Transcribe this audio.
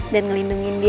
dan ngelindungin dia